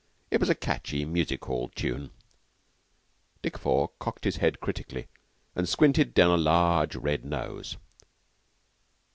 It was a catchy music hall tune. Dick Four cocked his head critically, and squinted down a large red nose.